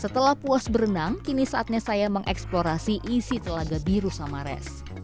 setelah puas berenang kini saatnya saya mengeksplorasi isi telaga biru samares